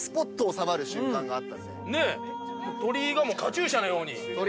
鳥居がカチューシャのように。